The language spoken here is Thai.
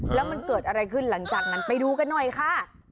แล้วมันเกิดอะไรขึ้นหลังจากนั้นไปดูกันหน่อยค่ะ